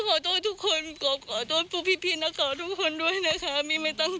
ไม่ไม่ไม่ไม่ไม่ไม่ไม่ไม่ไม่ไม่ไม่ไม่ไม่ไม่ไม่